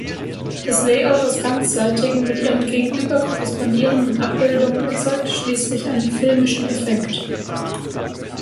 Das Layout aus ganzseitigen, mit ihrem Gegenüber korrespondierenden Abbildungen erzeugte schließlich einen filmischen Effekt.